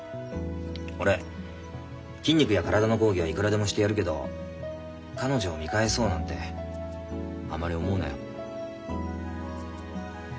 俺筋肉や体の講義はいくらでもしてやるけど彼女を見返そうなんてあまり思うなよ。